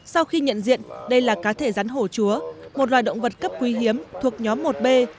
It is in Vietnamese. sau khi nhận diện đây là cá thể rắn hổ chúa một loài động vật cấp quý hiếm thuộc nhóm một b